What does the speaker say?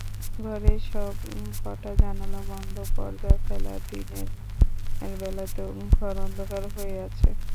ঘরের সব কটা জানালা বন্ধ, পর্দা ফেলা দিনের বেলাতেও ঘর অন্ধকার হয়ে আছে।